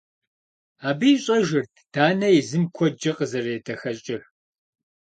Абы ищӏэжырт Данэ езым куэдкӏэ къызэредэхэкӏыр.